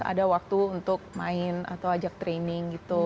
ada waktu untuk main atau ajak training gitu